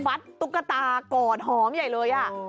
ฟัดตกตากอดหอมใหญ่เลยอะ